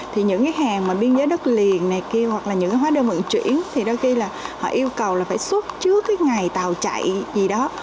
thì những cái hàng mà biên giới đất liền này kia hoặc là những cái hóa đơn vận chuyển thì đôi khi là họ yêu cầu là phải xuất trước cái ngày tàu chạy gì đó